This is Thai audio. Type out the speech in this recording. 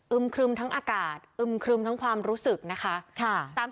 ครึมทั้งอากาศอึมครึมทั้งความรู้สึกนะคะ